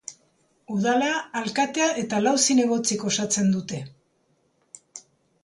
Udala alkatea eta lau zinegotzik osatzen dute.